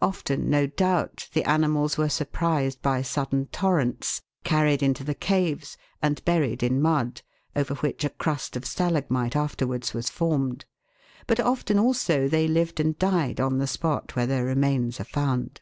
Often, no doubt, the animals were surprised by sudden torrents, carried into the caves, and buried in mud, over which a crust of stalagmite afterwards was formed ; but often also they lived and died on the spot where their remains are found.